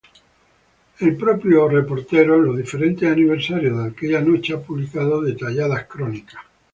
El propio reportero, en los diferentes aniversarios de aquella noche, ha publicado detalladas crónicas.